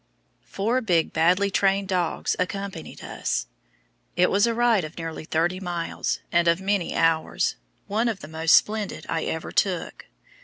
Four big, badly trained dogs accompanied us. It was a ride of nearly thirty miles, and of many hours, one of the most splendid I ever took.